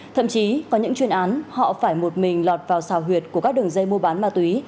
thậm chí có những chuyên án họ phải một mình lọt vào xào huyệt của các đường dây mua bán ma túy